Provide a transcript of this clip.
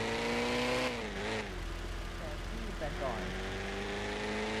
แต่กี้แต่ก่อน